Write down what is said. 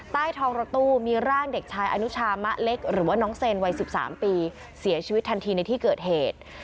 ใต้ท้องรถตู้มีร่างเด็กชายอนุชามะเล็กหรือว่าน้องเซนวัย๑๓ปีเสียชีวิตทันทีในที่เกิดเหตุ